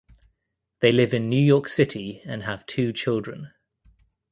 They live in New York City and have two children.